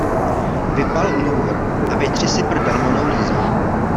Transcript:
Vypal Louvre a vytři si prdel Monou Lisou!